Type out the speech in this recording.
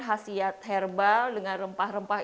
khasiat herbal dengan rempah rempah